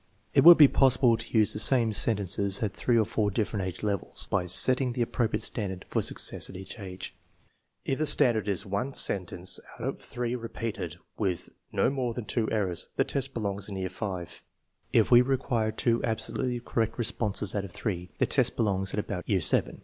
It would be possible to use the same sen tences at three or four different age levels, by setting the appropriate standard for success at each age. If the stand ard is one sentence out of three repeated with no more than two errors, the test belongs in year V. If we require two absolutely correct responses out of three, the test belongs at about year VII.